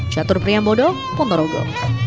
jatuh priam bodo ponorogo